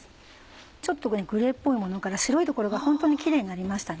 ちょっとグレーっぽいものから白い所がホントにキレイになりましたね。